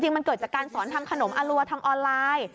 มันเกิดจากการสอนทำขนมอรัวทางออนไลน์